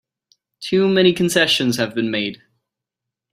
Too many concessions have been made!